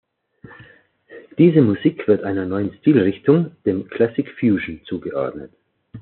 Diese Musik wird einer neuen Stilrichtung, dem „Klassik-fusion“ zugeordnet.